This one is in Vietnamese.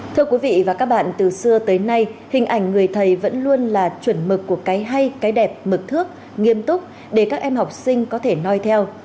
thưa quý vị và các bạn từ xưa tới nay hình ảnh người thầy vẫn luôn là chuẩn mực của cái hay cái đẹp mực thước nghiêm túc để các em học sinh có thể nói theo